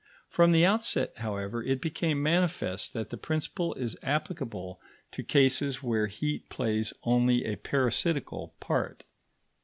From the outset, however, it became manifest that the principle is applicable to cases where heat plays only a parasitical part.